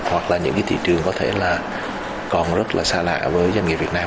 hoặc là những cái thị trường có thể là còn rất là xa lạ với doanh nghiệp việt nam